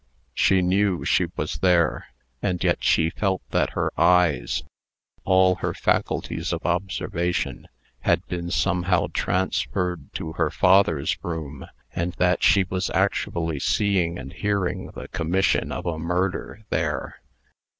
She knew she was there, and yet she felt that her eyes, all her faculties of observation, had been somehow transferred to her father's room, and that she was actually seeing and hearing the commission of a murder there.